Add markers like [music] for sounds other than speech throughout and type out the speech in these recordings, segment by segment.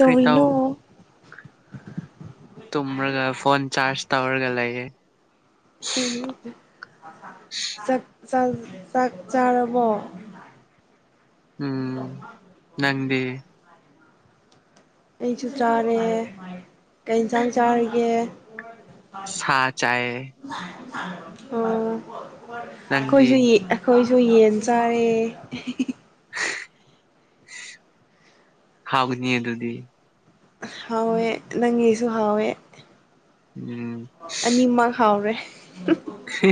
ꯀꯔꯤ ꯇꯧ ꯇꯨꯝꯃ꯭ꯔꯒ ꯐꯣꯟ ꯆꯥꯖ ꯇꯧꯔꯒ ꯂꯩꯌꯦ ꯎꯝ ꯆꯥꯛ ꯆꯥꯔꯕꯣ ꯎꯝ ꯅꯪꯗꯤ ꯑꯩꯁꯨ ꯆꯥꯔꯦ ꯀꯩ ꯌꯦꯟꯁꯥꯡ ꯆꯥꯔꯤꯒꯦ ꯁꯥ ꯆꯥꯏ ꯑꯣ ꯅꯪꯗꯤ ꯑꯩꯈꯣꯏꯁꯨꯨ ꯑꯩꯈꯣꯏꯁꯨ ꯌꯦꯟ ꯆꯥꯔꯦ ꯍꯥꯎꯕꯅꯤꯌꯦ ꯑꯗꯨꯗꯤ ꯍꯥꯎꯋꯦ ꯅꯪꯒꯤꯁꯨ ꯍꯥꯎꯋꯦ ꯎꯝ ꯑꯅꯤꯃꯛ ꯍꯥꯎꯔꯦ ꯍ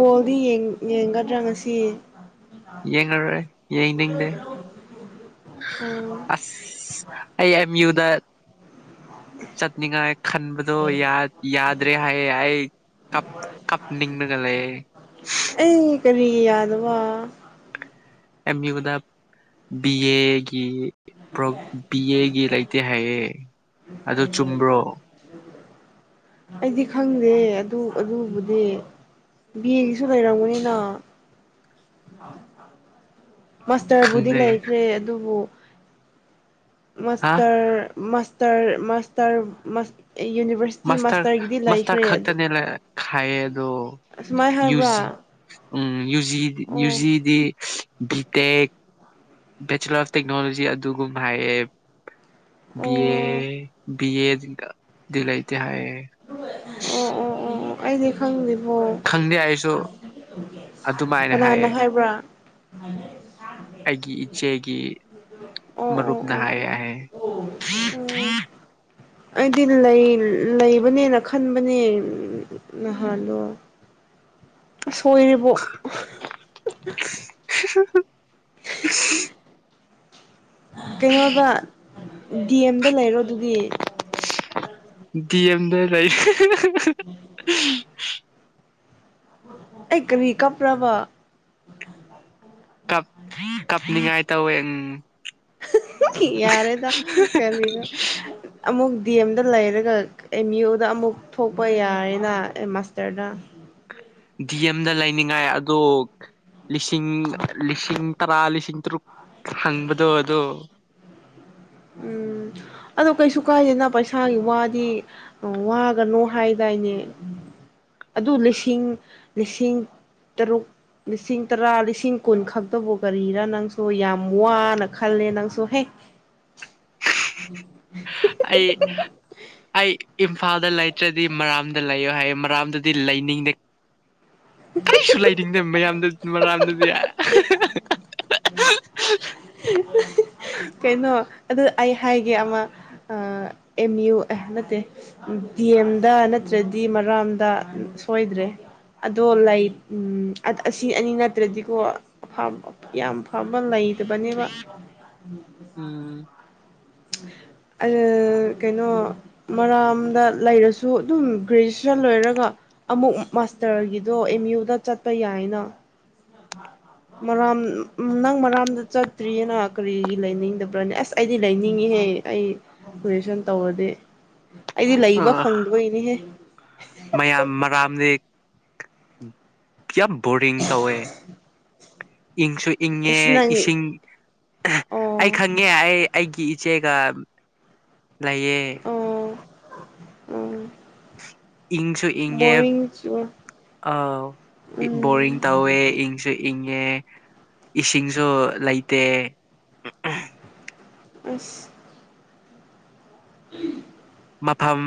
ꯕꯣꯜꯗꯤ ꯌꯦꯡꯒꯗ꯭ꯔꯥ ꯉꯁꯤ ꯌꯦꯡꯉꯔꯣꯏ ꯌꯦꯡꯅꯤꯡꯗꯦ ꯑꯣ ꯑꯁ ꯑ ꯑꯦꯝ ꯌꯨ ꯗ ꯆꯠꯅꯤꯡꯉꯥꯏ ꯈꯟꯕꯗꯣ ꯌꯥꯗ꯭ꯔꯦ ꯍꯥꯏꯌꯦ ꯑꯩ ꯀꯞ ꯀꯞꯅꯤꯡꯉꯒ ꯂꯩꯌꯦ ꯑꯩ ꯀꯔꯤꯒꯤ ꯌꯥꯗ ꯋꯥ ꯑꯦꯝ ꯌꯨꯗ ꯕꯤ ꯑꯦꯒꯤ ꯕꯤ ꯑꯦꯒꯤ ꯂꯩꯇꯦ ꯍꯥꯏꯌꯦ ꯑꯗꯨ ꯆꯨꯝꯕ꯭ꯔꯣ ꯎ ꯑꯩꯗꯤ ꯈꯪꯗꯦ ꯑꯗꯨ ꯑꯗꯨꯕꯨꯗꯤ ꯕꯤ ꯑꯦꯒꯤꯁꯨ ꯂꯩꯔꯝꯒꯅꯤꯅ ꯃꯥꯁꯇꯔꯕꯨꯗꯤ ꯈꯪꯗꯦ ꯂꯩꯈ꯭ꯔꯦ ꯑꯗꯨꯕꯨ ꯍꯥ ꯃꯥꯁꯇꯔ ꯃꯥꯁꯇꯔ ꯃꯥꯁꯇꯔ ꯌꯨꯅꯤꯕꯔ ꯃꯥꯁꯇꯔ ꯃꯥꯁꯇꯔ ꯈꯛꯇꯅꯦ ꯈꯥꯏꯌꯦ ꯑꯗꯣ ꯑꯁꯨꯃꯥꯏꯅ ꯌꯨꯖꯤ ꯍꯥꯏꯕ꯭ꯔꯥ ꯎꯝ ꯌꯨꯖꯤ ꯑꯣ ꯌꯨꯖꯤꯗꯤ ꯕꯤꯇꯦꯛ ꯕꯦꯆꯤꯂꯔ ꯑꯣꯐ ꯇꯦꯛꯅꯣꯂꯣꯖꯤ ꯑꯗꯨꯒꯨꯝ ꯍꯥꯏꯌꯦ ꯑꯣ ꯕꯤ ꯑꯣ ꯑꯦ ꯕꯤ ꯑꯦ ꯂꯩꯥꯇꯦ ꯍꯥꯏꯌꯦ ꯑꯣ ꯑꯣ ꯑꯣ ꯑꯩꯗꯤ ꯈꯪꯗꯦꯕꯣ ꯈꯪꯗꯦ ꯑꯩꯁꯨ ꯑꯗꯨꯃꯥꯏꯅ ꯀꯅꯥꯅꯣ ꯍꯥꯏꯌꯦ ꯍꯥꯏꯕ꯭ꯔꯥ ꯑꯩꯒꯤ ꯏꯆꯦꯒꯤ ꯑꯣ ꯑꯣ ꯃꯔꯨꯞꯅ ꯑꯣ ꯍꯥꯏ ꯍꯥꯏ ꯑꯣ ꯑꯩꯗꯤ ꯂꯩꯕꯅꯤꯅ ꯈꯟꯕꯅꯦ ꯅꯍꯥꯥꯟꯗꯣ ꯑꯁ ꯁꯣꯏꯔꯦꯕꯣ ꯍꯨ ꯍꯨ ꯍꯝ unintelligible ꯀꯩꯅꯣꯗ ꯗꯤ ꯑꯦꯝꯗ ꯂꯩꯔꯣ ꯗꯨꯗꯤ ꯗꯤ ꯑꯦꯝꯗ ꯂꯩ inaudible ꯑꯩ ꯀꯔꯤ ꯀꯞꯄ꯭ꯔꯥꯕ ꯀꯞ ꯀꯞꯅꯤꯡꯉꯥꯏ ꯇꯧꯋꯦ ꯎ ꯌꯥꯔꯦꯗ ꯀꯔꯤꯅꯣ ꯑꯃꯨꯛ ꯗꯤ ꯑꯦꯝꯗ ꯂꯩꯔꯒ ꯑꯦꯝ ꯌꯨꯗ ꯑꯃꯨꯛ ꯊꯣꯛꯄ ꯌꯥꯔꯦꯅ ꯃꯥꯁꯇꯔꯗ ꯗꯤ ꯑꯦꯝꯗ ꯂꯩꯅꯤꯡꯉꯥꯏ ꯑꯗꯣ ꯂꯤꯁꯤꯡ ꯂꯤꯁꯤꯡ ꯇꯔꯥ ꯂꯤꯁꯤꯇ꯭ꯔꯨꯛ ꯍꯪꯕꯗꯣ ꯑꯗꯨ ꯎꯝ ꯑꯗꯣ ꯀꯩꯁꯨ ꯀꯥꯏꯗꯦꯅ ꯄꯩꯁꯥꯒꯤ ꯋꯥꯗꯤ ꯋꯥꯒꯅꯣ ꯍꯥꯏꯗꯥꯏꯅꯦ ꯑꯗꯨ ꯂꯤꯁꯤꯡ ꯂꯤꯁꯤꯡ ꯇꯔꯨꯛ ꯂꯤꯁꯤꯡ ꯇꯔꯥ ꯂꯤꯁꯤꯡ ꯀꯨꯟ ꯈꯛꯇꯕꯨ ꯀꯔꯤꯔꯥ ꯅꯪꯁꯨ ꯌꯥꯝ ꯋꯥꯅ ꯈꯜꯂꯦ ꯅꯪꯁꯨ ꯍꯦ inaudible ꯑꯩ ꯑꯩ ꯏꯝꯐꯥꯜꯗ ꯂꯩꯇ꯭ꯔꯗꯤ ꯃꯔꯥꯝꯗ ꯂꯩꯌꯣ ꯍꯥꯏꯌꯦ ꯃꯔꯥꯝꯗꯗꯤ ꯂꯩꯅꯤꯡꯗ ꯀꯔꯤꯁꯨ ꯂꯩꯅꯤꯡꯗꯕ ꯃꯌꯥꯝ ꯃꯔꯝꯗꯗꯤ inaudible ꯀꯩꯅꯣ ꯑꯗꯨ ꯑꯩ ꯍꯥꯏꯒꯦ ꯑꯃ ꯑ ꯑꯦꯝ ꯌꯨ ꯑꯦ ꯅꯠꯇꯦ ꯗꯤ ꯑꯦꯝꯗ ꯅꯠꯇ꯭ꯔꯗꯤ ꯃꯔꯥꯝꯗ ꯁꯣꯏꯗ꯭ꯔꯦ ꯑꯗꯣ ꯂꯩ ꯎꯝ ꯑꯠ-ꯑꯁꯤ ꯑꯅꯤ ꯅꯠꯇ꯭ꯔꯗꯤꯀꯣ ꯃꯐꯝ ꯌꯥꯝ ꯐꯕ ꯂꯩꯇꯕꯅꯦꯕ ꯎꯝ ꯑ ꯀꯩꯅꯣ ꯃꯔꯥꯝꯗ ꯂꯩꯔꯁꯨ ꯑꯗꯨꯝ ꯒ꯭ꯔꯦꯖꯨꯦꯁꯟ ꯂꯣꯏꯔꯒ ꯑꯃꯨꯛ ꯃꯥꯁꯇꯔꯒꯤꯗꯣ ꯑꯦꯝ ꯌꯨꯗ ꯆꯠꯄ ꯌꯥꯏꯅ ꯃꯔꯥꯝ ꯎꯝ ꯅꯪ ꯃꯔꯥꯝꯗ ꯆꯠꯇ꯭ꯔꯤꯌꯦꯅ ꯀꯔꯤꯒꯤ ꯂꯩꯅꯤꯡꯗꯕ꯭ꯔꯅꯦ ꯑꯁ ꯑꯩꯗꯤ ꯂꯩꯅꯤꯡꯉꯤꯍꯦ ꯑꯩ ꯒ꯭ꯔꯦꯖꯨꯌꯦꯁꯟ ꯇꯧꯔꯗꯤ ꯑꯩꯗꯤ ꯑ ꯂꯩꯕ ꯐꯪꯗꯕꯩꯅꯤꯍꯦ ꯃꯌꯥꯝ ꯃꯔꯥꯝꯗꯤ ꯌꯥꯝ ꯕꯣꯔꯤꯡ ꯇꯧꯋꯦ ꯏꯪꯁꯨ ꯏꯪꯉꯦ ꯑꯩꯁ ꯅꯪ ꯏꯁꯤꯡ ꯑꯩ ꯑꯣ ꯈꯪꯉꯦ ꯑꯩ ꯑꯩꯒꯤ ꯏꯆꯦꯒ ꯂꯩꯌꯦ ꯑꯣ ꯑꯣ ꯏꯪꯁꯨ ꯏꯪꯉꯦ ꯕꯣꯔꯤꯡ ꯆꯨ ꯑ ꯕꯣꯔꯤꯡ ꯎꯝ ꯇꯧꯋꯦ ꯏꯪꯁꯨ ꯏꯪꯉꯦ ꯏꯁꯤꯡꯁꯨ ꯂꯩꯇꯦ ꯑꯁ ꯑ꯭ꯍꯝ [inaudible] ꯃꯐꯝ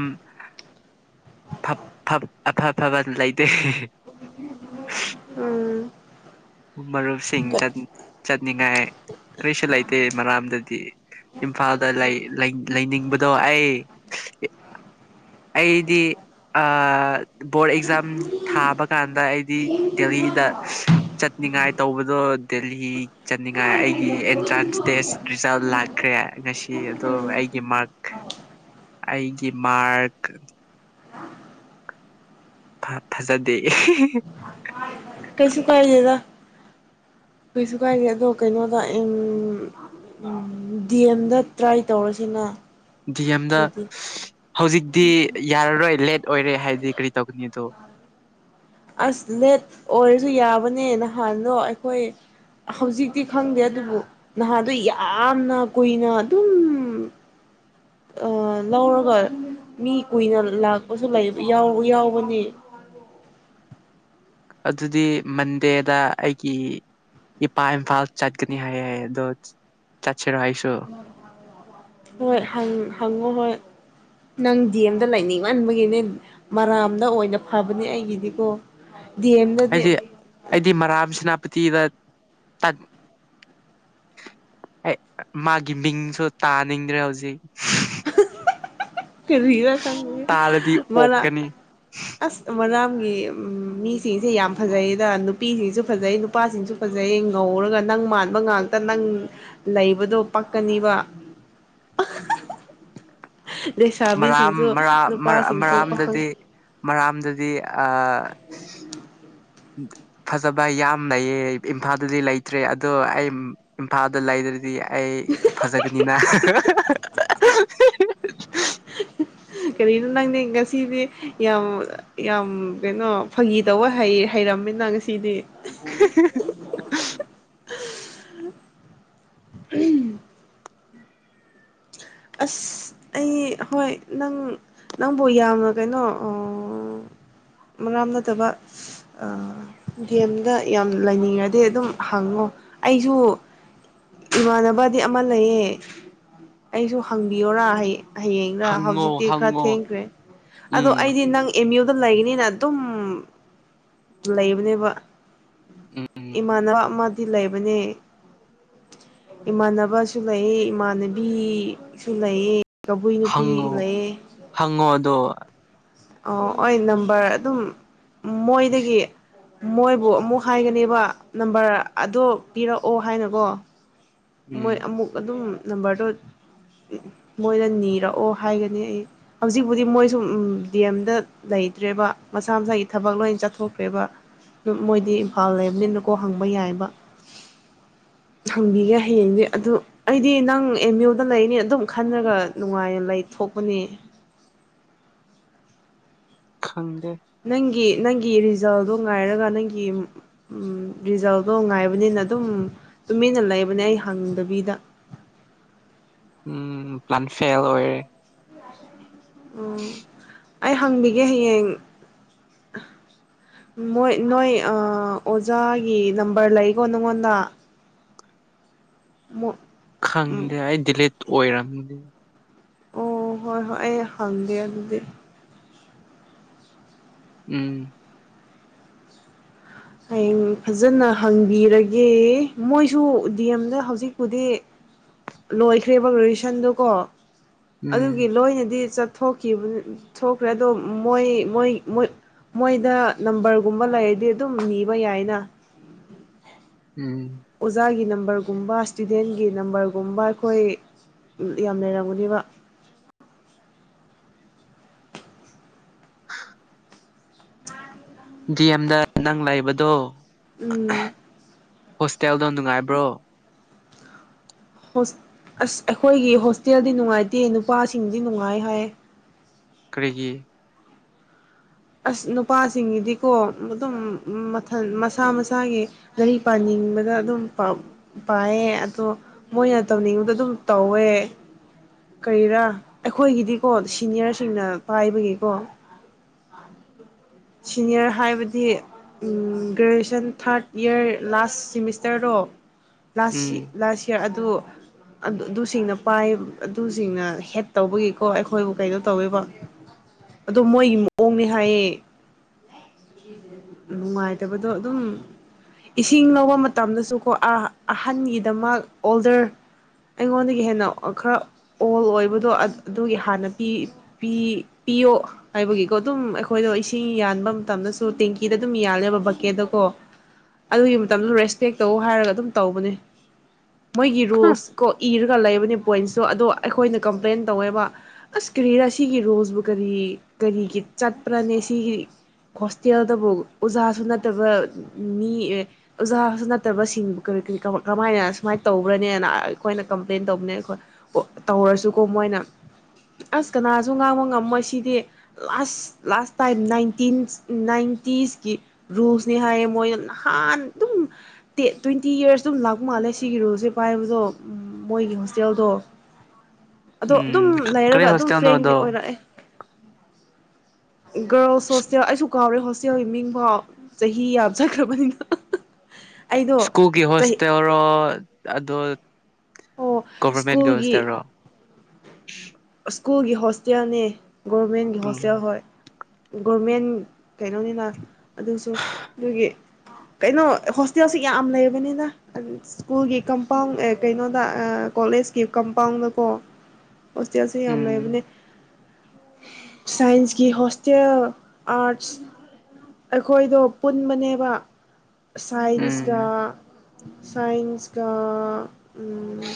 ꯐꯞ-ꯐꯞ ꯑꯐ ꯑꯐꯕ ꯂꯩꯇꯦ ꯎꯝ ꯃꯔꯨꯞꯁꯤꯡ ꯆꯠꯅꯤꯡꯉꯥꯏ ꯀꯔꯤꯁꯨ ꯂꯩꯇꯦ ꯃꯔꯥꯝꯗꯗꯤ ꯏꯝꯐꯥꯜꯗ ꯂꯩ-ꯂꯩ-ꯂꯩꯅꯤꯡꯕꯗꯣ ꯑꯩ ꯑꯩꯗꯤ ꯑ ꯕꯣꯔꯗ ꯑꯦꯛꯖꯥꯝ ꯊꯥꯕ ꯀꯥꯟꯗ ꯑꯩꯗꯤ ꯎꯝ ꯗꯦꯍꯤꯗ ꯆꯠꯅꯤꯡꯉꯥꯏ ꯇꯧꯕꯗꯣ ꯗꯦꯍꯤ ꯆꯠꯅꯤꯡꯉꯥꯏ ꯑꯩꯒꯤ ꯑꯦꯟꯇ꯭ꯔꯥꯟꯁ ꯇꯦꯁ ꯔꯤꯖꯜ ꯂꯥꯛꯀ ꯈ꯭ꯔꯦ ꯉꯁꯤ ꯑꯗꯣ ꯑꯩꯒꯤ ꯃꯥꯔꯛ ꯑꯩꯒꯤ ꯃꯥꯔꯛ ꯐ-ꯐꯖꯗꯦ ꯀꯩꯁꯨ ꯀꯥꯏꯗꯦꯗ ꯀꯩꯁꯨ ꯀꯥꯏꯗꯦ ꯑꯗꯣ ꯀꯩꯅꯣꯗ ꯎꯝ ꯎꯝ ꯗꯤ ꯑꯦꯝꯗ ꯇ꯭ꯔꯥꯏ ꯇꯧꯔꯁꯤꯅ ꯗꯤ ꯑꯦꯝꯗ ꯑꯗꯨꯗꯤ ꯍꯧꯖꯤꯛꯗꯤ ꯌꯥꯔꯔꯣꯏ ꯂꯦꯠ ꯑꯣꯏꯔꯦ ꯍꯥꯏꯗꯤ ꯀꯔꯤ ꯇꯧꯒꯅꯤ ꯑꯗꯣ ꯑꯁ ꯂꯦꯠ ꯑꯣꯏꯔꯁꯨ ꯌꯥꯕꯅꯦ ꯅꯍꯥꯟꯗꯣ ꯑꯩꯈꯣꯏ ꯍꯧꯖꯤꯛꯇꯤ ꯈꯪꯗꯦ ꯑꯗꯨꯕꯨ ꯅꯍꯥꯗꯣ ꯌꯥꯝꯅ ꯀꯨꯏꯅ ꯑꯗꯨꯝ ꯂꯧꯔꯒ ꯃꯤ ꯀꯨꯏꯅ ꯂꯥꯛꯄꯁꯨ ꯂꯩ ꯌꯥꯎꯕꯅꯦ ꯑꯗꯨꯗꯤ ꯃꯟꯗꯦꯗ ꯑꯩꯒꯤ ꯏꯄꯥ ꯏꯝꯐꯥꯜ ꯆꯠꯀꯅꯤ ꯍꯥꯏ ꯑꯗꯣ ꯆꯠꯁꯤꯔꯣ ꯑꯩꯁꯨ ꯍꯣꯏ ꯍꯪ ꯍꯪꯉꯣ ꯍꯣꯏ ꯅꯪ ꯗꯤ ꯑꯦꯝꯗ ꯂꯩꯅꯤꯡꯃꯥꯟꯕꯒꯤꯅꯦ ꯃꯔꯥꯝꯗ ꯑꯣꯏꯅ ꯐꯕꯅꯦ ꯑꯩꯒꯤꯗꯤꯀꯣ ꯗꯤ ꯑꯦꯝ ꯗꯗꯤ ꯍꯥꯏꯗꯤ ꯑꯩꯗꯤ ꯃꯔꯥꯝ ꯁꯦꯅꯥꯄꯇꯤꯗ ꯑꯦ ꯃꯥꯒꯤ ꯃꯤꯡꯁꯨ ꯇꯥꯅꯤꯡꯗ꯭ꯔꯦ ꯍꯧꯖꯤꯛ ꯀꯔꯤꯔ ꯈꯪꯗꯦ ꯇꯥꯔꯗꯤ ꯑꯣꯛꯀꯅꯤ ꯑꯁ ꯃꯔꯝꯒꯤ ꯃꯤꯁꯤꯡꯁꯦ ꯌꯥꯝ ꯐꯖꯩꯌꯦꯗ ꯅꯨꯄꯤꯁꯤꯡꯁꯨ ꯐꯖꯩ ꯅꯨꯄꯥꯁꯤꯡꯁꯨ ꯐꯖꯩꯌꯦ ꯉꯧꯔꯒ ꯅꯪ ꯃꯥꯟꯕ ꯉꯥꯛꯇ ꯅꯪ ꯂꯩꯕꯗꯣ ꯄꯥꯛꯀꯅꯤꯕ ꯃꯔꯥꯝ ꯂꯩꯁꯥꯕꯤꯁꯤꯡꯁꯨ ꯃꯔꯥꯝ ꯃꯔ ꯅꯨꯄꯥꯁꯤꯡꯁꯨ ꯄꯥꯈꯪ ꯃꯔꯥꯝꯗꯗꯤ ꯃꯔꯥꯝꯗꯗꯤ ꯑ ꯐꯖꯕ ꯌꯥꯝ ꯂꯩꯌꯦ ꯏꯝꯐꯥꯜꯗꯗꯤ ꯂꯩꯇ꯭ꯔꯦ ꯑꯗꯣ ꯑꯩ ꯏꯝꯐꯥꯜꯗ ꯂꯩꯗ꯭ꯔꯗꯤ ꯑꯩ ꯐꯖꯒꯅꯤꯅ ꯀꯔꯤꯅꯣ ꯅꯪꯅꯦ ꯉꯁꯤꯗꯤ ꯌꯥꯝ ꯌꯥꯝ ꯀꯩꯅꯣ ꯐꯥꯒꯤ ꯇꯧꯕ ꯍꯩꯔꯝꯃꯤꯅ ꯉꯁꯤꯗꯤ [inaudible] ꯑꯁ ꯑꯩ ꯍꯣꯏ ꯅꯪ ꯅꯪꯕꯨ ꯌꯥꯝꯅ ꯀꯩꯅꯣ ꯃꯔꯥꯝ ꯅꯠꯇꯕ ꯒꯦꯝꯗ ꯌꯥꯝ ꯂꯩꯅꯤꯡꯉꯗꯤ ꯑꯗꯨꯝ ꯍꯪꯉꯣ ꯑꯩꯁꯨ ꯏꯃꯥꯟꯅꯕꯗꯤ ꯑꯃ ꯂꯩꯌꯦ ꯑꯩꯁꯨ ꯍꯪꯕꯤꯌꯔ ꯍꯌꯦꯡꯔ ꯍꯪꯉꯣ ꯍꯧꯖꯤꯛꯇꯤ ꯈꯔ ꯍꯪꯉꯣ ꯊꯦꯡꯈ꯭ꯔꯦ ꯑꯗꯣ ꯎꯝ ꯑꯩꯗꯤ ꯅꯪ ꯑꯦꯝ ꯌꯨꯗ ꯂꯩꯒꯅꯤꯅ ꯑꯗꯨꯝ ꯂꯩꯕꯅꯦꯕ ꯎꯝ ꯏꯃꯥꯟ ꯁꯤ ꯂꯩꯕꯅꯦ ꯏꯃꯥꯟꯅꯕꯁꯨ ꯂꯩ ꯏꯃꯥꯟꯅꯕꯤ ꯁꯨ ꯂꯩꯑ ꯀꯕꯨꯏ ꯅꯨꯄꯤ ꯍꯪꯉꯣ ꯂꯩꯑ ꯍꯪꯉꯣ ꯑꯗꯨꯣ ꯑ ꯍ ꯅꯝꯕꯔ ꯑꯗꯨꯝ ꯃꯣꯏꯗꯒꯤ ꯃꯣꯏꯕꯨ ꯑꯃꯨꯛ ꯍꯥꯏꯒꯅꯦꯕ ꯅꯝꯕꯔ ꯑꯗꯣ ꯄꯤꯔꯛꯑꯣ ꯍꯥꯏꯅꯀꯣ ꯎꯝ ꯃꯣꯏ ꯑꯃꯨꯛ ꯑꯗꯨꯝ ꯅꯝꯕꯔꯗꯣ ꯃꯣꯏꯅ ꯅꯤꯔꯛꯑꯣ ꯍꯥꯏꯒꯅꯤ ꯑꯩ ꯍꯧꯖꯤꯛꯄꯨꯗꯤ ꯃꯣꯏꯁꯨ ꯗꯤ ꯑꯦꯝꯗ ꯂꯩꯇ꯭ꯔꯦꯕ ꯃꯁꯥ ꯃꯁꯥꯒꯤ ꯊꯕꯛ ꯂꯣꯏ ꯆꯠꯊꯣꯛꯈ꯭ꯔꯦꯕ ꯃꯣꯏꯗꯤ ꯏꯝꯐꯥꯜ ꯂꯩꯕꯅꯤꯅꯀꯣ ꯍꯪꯕ ꯌꯥꯏꯕ ꯍꯪꯕꯤꯒꯦ ꯍꯌꯦꯡꯗꯤ ꯑꯗꯣ ꯑꯩꯗꯤ ꯅꯪ ꯑꯦꯝ ꯌꯨꯗ ꯂꯩꯅꯤ ꯑꯗꯨꯝ ꯈꯔꯒ ꯅꯨꯡꯉꯥꯏꯅ ꯂꯩ ꯊꯣꯛꯄꯅꯦ ꯈꯪꯗꯦ ꯅꯪꯒꯤ ꯅꯪꯒꯤ ꯔꯤꯖꯜꯗꯣ ꯉꯥꯏꯔꯒ ꯅꯪꯒꯤ ꯎꯝ ꯔꯤꯖꯜꯗꯣ ꯉꯥꯏꯕꯅꯤꯅ ꯑꯗꯨꯝ ꯇꯨꯃꯤꯟꯅ ꯂꯩꯕꯅꯦ ꯑꯩ ꯍꯪꯗꯕꯤꯗ ꯎꯝ ꯄ꯭ꯂꯥꯟ ꯐꯦꯜ ꯑꯣꯏꯔꯦ ꯑꯣ ꯑꯩ ꯍꯪꯕꯤꯒꯦ ꯍꯌꯦꯡ ꯃꯣꯏ ꯅꯣꯏ ꯑꯣꯖꯥꯒꯤ ꯅꯝꯕꯔ ꯂꯩꯀꯣ ꯅꯪꯉꯣꯟꯗ ꯃ ꯈꯪꯗꯦ ꯑꯩ ꯗꯤꯂꯦꯠ ꯑꯣꯏꯔꯝꯗꯦ ꯑꯣ ꯍꯣꯏ ꯍꯣꯏ ꯑꯩ ꯍꯪꯗꯦ ꯑꯗꯨꯗꯤ ꯎꯝ ꯍꯌꯦꯡ ꯐꯖꯅ ꯍꯪꯕꯤꯔꯒꯦ ꯃꯣꯏꯁꯨ ꯗꯤ ꯑꯦꯝꯗ ꯍꯧꯖꯤꯛꯄꯨꯗꯤ ꯂꯣꯏꯈ꯭ꯔꯦꯕ ꯔꯣꯍꯤꯁꯟꯗꯨꯀꯣ ꯑꯗꯨꯒꯤ ꯎꯝ ꯂꯣꯏꯅꯗꯤ ꯆ ꯊꯣꯛꯈꯤꯕ ꯊꯣꯛꯈ꯭ꯔꯦ ꯑꯗꯣ ꯃꯣꯏ ꯃꯣꯏ ꯃꯣꯏꯗ ꯅꯝꯕꯔꯒꯨꯝꯕ ꯂꯩꯔꯗꯤ ꯑꯗꯨꯝ ꯅꯤꯕ ꯌꯥꯏꯅ ꯎꯝ ꯑꯣꯖꯥꯒꯤ ꯅꯝꯕꯔꯒꯨꯝꯕ ꯏꯁꯇꯨꯗꯦꯟꯒꯤ ꯅꯝꯕꯔꯒꯨꯝꯕ ꯑꯩꯈꯣꯏ ꯌꯥꯝ ꯂꯩꯔꯝꯒꯅꯦꯕ ꯑ ꯗꯤ ꯑꯦꯝꯗ ꯅꯪ ꯂꯩꯕꯗꯣ ꯎꯝ ꯍꯣꯁꯇꯦꯜꯗꯣ ꯅꯨꯡꯉꯥꯏꯕ꯭ꯔꯣ ꯑꯁ ꯑꯩꯈꯣꯏꯒꯤ ꯍꯣꯁꯇꯦꯜꯗꯤ ꯅꯨꯡꯉꯥꯏꯇꯦ ꯅꯨꯄꯥꯁꯤꯡꯗꯤ ꯅꯨꯡꯉꯥꯏ ꯍꯥꯏ ꯀꯔꯤꯒꯤ ꯑꯁ ꯅꯨꯄꯥꯁꯤꯡꯒꯤꯗꯤꯀꯣ ꯑꯗꯨꯝ ꯃꯊꯟ ꯃꯁꯥ ꯃꯁꯥꯒꯤ ꯂꯥꯏꯔꯤꯛ ꯄꯥꯅꯤꯡꯕꯗ ꯑꯗꯨꯝ ꯄ ꯄꯥꯏꯌꯦ ꯑꯗꯣ ꯃꯣꯏꯅ ꯇꯧꯅꯤꯡꯕꯗ ꯑꯗꯨꯝ ꯇꯧꯋꯦ ꯀꯔꯤꯔ ꯑꯩꯈꯣꯏꯒꯤꯗꯤꯀꯣ ꯁꯤꯅꯤꯌꯔꯁꯤꯡꯅ ꯄꯥꯏꯕꯒꯤꯀꯣ ꯁꯤꯅꯤꯌꯔ ꯍꯥꯏꯕꯗꯤ ꯒ꯭ꯔꯦꯖꯨꯌꯦꯁꯟ ꯊꯥꯔꯠ ꯏꯌꯥꯔ ꯂꯥꯁ ꯁꯤꯃꯤꯁꯇꯔꯗꯣ ꯎꯝ ꯂꯥꯁ ꯂꯥꯁ ꯏꯌꯔ ꯑꯗꯨ ꯑꯗꯨꯁꯤꯡꯅ ꯄꯥꯏ ꯑꯗꯨꯁꯤꯡꯅ ꯍꯦꯠ ꯇꯧꯕꯒꯤꯀꯣ ꯑꯩꯈꯣꯏꯕꯨ ꯀꯩꯅꯣ ꯇꯧꯋꯦꯕ ꯑꯗꯣ ꯃꯣꯏꯒꯤ ꯃꯑꯣꯡꯅꯦ ꯍꯥꯏꯌꯦ ꯅꯨꯡꯉꯥꯏꯇꯕꯗꯣ ꯑꯗꯨꯝ ꯏꯁꯤꯡ ꯂꯧꯕ ꯃꯇꯝꯗꯁꯨꯀꯣ ꯑꯍꯟꯒꯤꯗꯃꯛ ꯑꯣꯜꯗꯔ ꯑꯩꯉꯣꯟꯗꯒꯤ ꯍꯦꯟꯅ ꯈꯔ ꯑꯣꯜ ꯑꯣꯏꯕꯗꯣ ꯑꯗꯨꯒꯤ ꯍꯥꯟꯅ ꯄꯤ ꯄꯤ ꯄꯤꯌꯣ ꯍꯥꯏꯕꯒꯤꯀꯣ ꯑꯗꯨꯝ ꯑꯩꯈꯣꯏꯗꯣ ꯏꯁꯤꯡ ꯌꯥꯟꯕ ꯃꯇꯝꯗ ꯇꯦꯡꯀꯤꯗ ꯑꯗꯨꯝ ꯌꯥꯜꯂꯦꯕ ꯕꯛꯀꯦꯗ ꯀꯣ ꯑꯗꯨꯒꯤ ꯃꯇꯝꯗꯨ ꯔꯦꯁꯄꯦꯛ ꯇꯧ ꯍꯥꯏꯔꯒ ꯑꯗꯨꯝ ꯇꯧꯕꯅꯦ ꯃꯣꯏꯒꯤ ꯔꯨꯜꯁ ꯀꯣ ꯏꯔꯒ ꯒ ꯂꯩꯕꯅꯤ ꯄꯣꯏꯟꯁꯇꯣ ꯑꯗꯣ ꯑꯩꯈꯣꯏꯅ ꯀꯝꯄ꯭ꯂꯦꯟ ꯇꯧꯋꯦꯕ ꯑꯁ ꯀꯔꯤꯔ ꯑꯁꯤꯒꯤ ꯔꯨꯜꯁꯤꯕꯨ ꯀꯔꯤ ꯀꯔꯤꯒꯤ ꯆꯠꯄ꯭ꯔꯅꯦ ꯁꯤꯒꯤ ꯍꯣꯁꯇꯦꯜꯗꯕꯨ ꯑꯣꯖꯥꯁꯨ ꯅꯠꯇꯕ ꯃꯤ ꯑꯣꯖꯥꯁꯨ ꯅꯠꯇꯕꯁꯤꯡꯕꯨ ꯀꯔꯤ ꯀꯔꯤ ꯀꯃꯥꯏꯅ ꯁꯨꯃꯥꯏꯅ ꯇꯧꯕ꯭ꯔꯅꯦꯅ ꯑꯩꯈꯣꯏꯅ ꯀꯝꯄ꯭ꯂꯦꯟ ꯇꯧꯕꯅꯦ ꯑꯩꯈꯣꯏ ꯇꯧꯔꯁꯨꯀꯣ ꯃꯣꯏꯅ ꯑꯁ ꯀꯅꯥꯁꯨ ꯉꯥꯡꯕ ꯉꯝꯃꯣꯏ ꯁꯤꯗꯤ ꯂꯥꯁ ꯂꯥꯁ ꯇꯥꯏꯝ ꯅꯥꯏꯟꯇꯤꯟ ꯅꯥꯏꯟꯇꯤꯁꯀꯤ ꯔꯨꯜꯅꯤ ꯍꯥꯏꯌꯦ ꯃꯣꯏꯅ ꯅꯍꯥꯟ ꯑꯗꯨꯝ ꯇ꯭ꯋꯦꯟꯇꯤ ꯌꯔꯁ ꯑꯗꯨꯝ ꯂꯥꯛꯄ ꯃꯥꯜꯂꯦ ꯁꯤꯒꯤ ꯔꯨꯜꯁꯦ ꯄꯥꯏꯕꯗꯣ ꯃꯣꯏꯒꯤ ꯍꯣꯁꯇꯦꯜꯗꯣ ꯑꯗꯣ ꯎꯝ ꯑꯗꯨꯝ ꯀꯔꯤ ꯂꯩꯔꯒ ꯑꯗꯨꯝ ꯍꯣꯁꯇꯦꯜꯅꯣꯗꯣ ꯐ꯭ꯔꯦꯡꯗꯤ ꯑꯣꯏꯔꯛꯑꯦ ꯒꯔꯜꯁ ꯍꯣꯁꯇꯦꯜ ꯑꯩꯁꯨ ꯀꯥꯎꯔꯦ ꯍꯣꯁꯇꯦꯜꯒꯤ ꯃꯤꯡꯐꯥꯎ ꯆꯍꯤ ꯌꯥꯝ ꯆꯠꯈ꯭ꯔꯕꯅꯤꯅ ꯑꯩꯗꯣ ꯁ꯭ꯀꯨꯜꯒꯤ ꯆꯍꯤ ꯍꯣꯁꯇꯦꯜꯔꯣ ꯑꯣ ꯑꯣ ꯒꯚꯔꯃꯦꯟꯒꯤꯕ ꯁ꯭ꯀꯨꯜꯒꯤ ꯍꯣꯁꯇꯦꯜꯔꯣ ꯁ꯭ꯀꯨꯜꯒꯤ ꯍꯣꯁꯇꯦꯜꯅꯦ ꯒꯣꯔꯃꯦꯟꯒꯤ ꯎꯝ ꯍꯣꯁꯇꯦꯜ ꯍꯣꯏ ꯒꯣꯔꯃꯦꯟ ꯀꯩꯅꯣꯅꯤꯅ ꯑꯗꯨꯁꯨ ꯑꯗꯨꯒꯤ ꯀꯩꯅꯣ ꯍꯣꯁꯇꯦꯜꯁꯤ ꯌꯥꯝ ꯂꯩꯕꯅꯤꯅ ꯁ꯭ꯀꯨꯜꯒꯤ ꯀꯝꯄꯥꯎꯟ ꯀꯩꯅꯣꯗ ꯀꯣꯂꯦꯖꯀꯤ ꯀꯝꯄꯥꯎꯟꯗꯀꯣ ꯍꯣꯁꯇꯦꯜ ꯁꯤ ꯌꯥꯝ ꯎꯝ ꯂꯩꯕꯅꯦ ꯁꯥꯏꯟꯁꯀꯤ ꯍꯣꯁꯇꯦꯜ ꯑꯥꯔꯠꯁ ꯑꯩꯈꯣꯏꯗꯣ ꯄꯨꯟꯕꯅꯦꯕ ꯁꯥꯏꯟꯁꯀ ꯎꯝ ꯁꯥꯏꯟꯁ ꯀ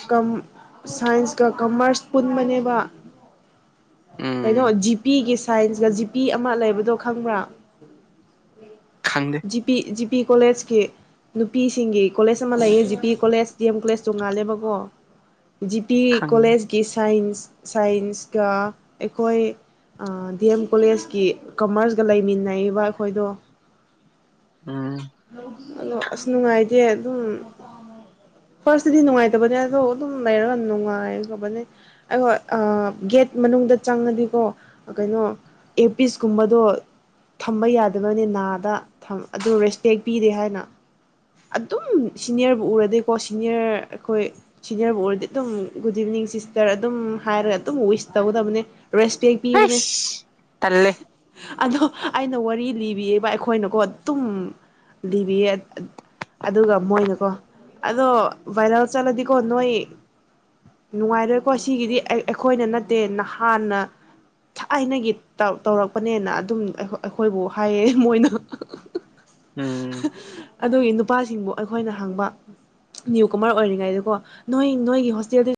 ꯀꯝ ꯁꯥꯏꯟꯁꯀ ꯀꯃꯔꯁ ꯄꯨꯟꯕꯅꯦꯕ ꯀꯩꯅꯣ ꯎꯝ ꯖꯤꯄꯤꯒꯤ ꯁꯥꯏꯟꯁꯀ ꯖꯤꯄꯤ ꯑꯃ ꯂꯩꯕꯗꯣ ꯈꯪꯕ꯭ꯔꯥ ꯈꯪꯗꯦ ꯖꯤ ꯄꯤ ꯖꯤ ꯄꯤ ꯀꯣꯂꯦꯖꯀꯤ ꯅꯨꯄꯤꯁꯤꯡꯒꯤ ꯀꯣꯂꯦꯖ ꯑꯃ ꯂꯩꯌꯦ G P college D M college ꯇꯣꯉꯥꯜꯂꯦꯕꯀꯣ ꯖꯤ ꯄꯤ ꯈꯪꯗꯦ ꯀꯣꯂꯦꯖꯀꯤ ꯁꯥꯏꯟꯁ ꯁꯥꯏꯟꯁꯀ ꯑꯩꯈꯣꯏ ꯗꯤ ꯑꯦꯝ ꯀꯣꯂꯦꯖꯀꯤ ꯀꯃꯔꯁꯀ ꯂꯩꯃꯤꯟꯅꯔꯤꯕ ꯑꯩꯈꯣꯏꯗꯣ [inaudible] ꯎꯝ ꯑꯗꯣ ꯑꯁ ꯅꯨꯡꯉꯥꯏꯇꯦ ꯑꯗꯨꯝ ꯐꯥꯔꯁꯇꯤꯗꯤ ꯅꯨꯡꯉꯥꯏꯇꯕꯅꯦ ꯑꯗꯣ ꯑꯗꯨꯝ ꯂꯩꯔꯒ ꯅꯨꯡꯉꯥꯏꯈꯕꯅꯦ ꯑꯩ ꯍꯣꯏ ꯒꯦꯠ ꯃꯅꯨꯡꯗ ꯆꯪꯉꯗꯤꯀꯣ ꯀꯩꯅꯣ ꯑꯦꯄꯤꯁꯀꯨꯝꯕꯗꯣ ꯊꯝꯕ ꯌꯥꯗꯕꯅꯤ ꯅꯥꯗ ꯑꯗꯨ ꯔꯦꯁꯄꯦꯛ ꯄꯤꯗꯦ ꯍꯥꯏꯅ ꯑꯗꯨꯝ ꯁꯤꯅꯤꯌꯔꯕꯨ ꯎꯔꯗꯤꯀꯣ ꯁꯤꯅꯤꯌꯔ ꯑꯩꯈꯣꯏ ꯁꯤꯅꯤꯌꯔꯕꯨ ꯑꯣꯏꯔꯗꯤ ꯑꯗꯨꯝ ꯒꯨꯗ ꯏꯚꯤꯅꯤꯡ ꯁꯤꯁꯇꯔ ꯑꯗꯨꯝ ꯍꯥꯏꯔꯒ ꯑꯗꯨꯝ ꯋꯤꯁ ꯇꯧꯒꯗꯕꯅꯦ ꯔꯦꯁꯄꯦꯛ ꯄꯤꯕꯅꯦ ꯑꯩꯁ ꯇꯜꯂꯦ ꯑꯗꯣ ꯑꯩꯅ ꯋꯥꯔꯤ ꯂꯤꯕꯤꯌꯦꯕ ꯑꯩꯈꯣꯏꯅꯀꯣ ꯑꯗꯨꯝ ꯂꯤꯕꯤꯌꯦ ꯑꯗꯨꯒ ꯃꯣꯏꯅꯀꯣ ꯑꯗꯣ ꯚꯥꯏꯔꯦꯜ ꯆꯠꯂꯗꯤꯀꯣ ꯅꯣꯏ ꯅꯨꯡꯉꯥꯏꯔꯣꯏꯀꯣ ꯁꯤꯒꯤꯗꯤ ꯑꯩꯈꯣꯏꯅ ꯅꯠꯇꯦ ꯅꯍꯥꯟꯅ ꯊꯥꯏꯅꯒꯤ ꯇꯧꯔꯛꯄꯅꯦꯅ ꯑꯗꯨꯝ ꯑꯩꯈꯣꯏꯕꯨ ꯍꯥꯏꯌꯦ ꯃꯣꯏꯅ ꯎꯝ ꯑꯗꯨꯒꯤ ꯅꯨꯄꯥꯁꯤꯡꯕꯨ ꯑꯩꯈꯣꯏꯅ ꯍꯥꯡꯕ ꯅꯤꯌꯨꯀꯨꯃꯥꯔ ꯑꯣꯏꯔꯤꯉꯩꯗꯀꯣ ꯅꯣꯏ ꯅꯣꯏꯒꯤ ꯍꯣꯁꯇꯦꯜ